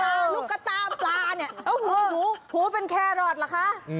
ตาลูกกระตาปลาเนี่ยแล้วหูเป็นแครอทล่ะคะ